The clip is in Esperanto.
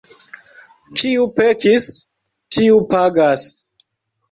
Kiu pekis, tiu pagas.